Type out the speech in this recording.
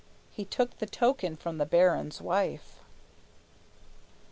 He took the token from the baron's wife.